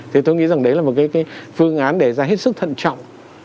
thì tôi nghĩ rằng đấy là một cái phương án để ra hết sức thận trọng